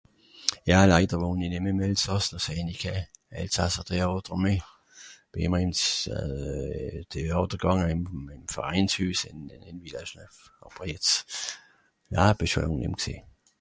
ja laider wòhn'i nem ìm Elsàss nò sehn'i keh elsasser Théàter meh bìn ìmmer ìns euh Théàter gànge ìm Verainshüs ... àber jetz na euh bìn schòn làng nem gsìn